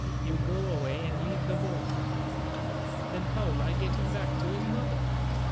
You go away and leave the boy." "Then how'll I get him back to his mother?"